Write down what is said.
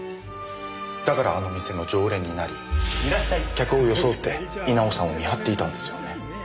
だからあの店の常連になり客を装って稲尾さんを見張っていたんですよね。